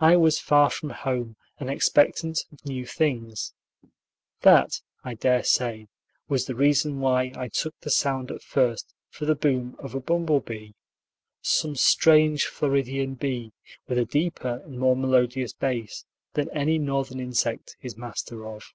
I was far from home, and expectant of new things. That, I dare say, was the reason why I took the sound at first for the boom of a bumble bee; some strange Floridian bee, with a deeper and more melodious bass than any Northern insect is master of.